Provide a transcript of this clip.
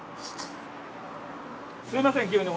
すみません急に。